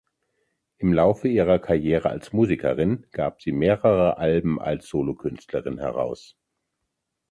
Im Laufe ihrer Karriere als Musikerin gab sie mehrere Alben als Solokünstlerin heraus.